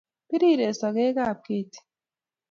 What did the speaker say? Pireren sogek ab keti